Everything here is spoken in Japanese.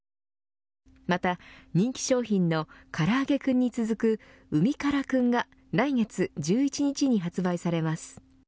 また人気商品のからあげクンに続く海からクンが来月１１日に発売されます。